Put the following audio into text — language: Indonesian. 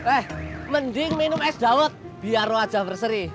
eh mending minum es dawet biar wajah berserih